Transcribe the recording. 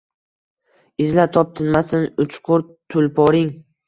Izla, top, tinmasin uchqur tulporing.